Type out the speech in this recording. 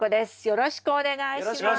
よろしくお願いします。